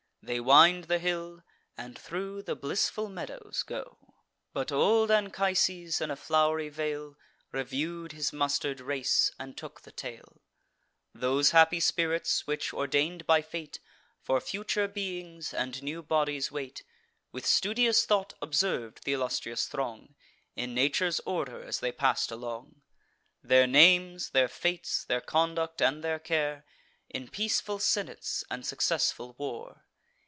They wind the hill, and thro' the blissful meadows go. But old Anchises, in a flow'ry vale, Review'd his muster'd race, and took the tale: Those happy spirits, which, ordain'd by fate, For future beings and new bodies wait. With studious thought observ'd th' illustrious throng, In nature's order as they pass'd along: Their names, their fates, their conduct, and their care, In peaceful senates and successful war.